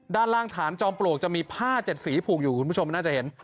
ด้านล่างฐานจอมปลวกจะมีผ้า๗สีผูกอยู่คุณผู้ชมน่าจะเห็น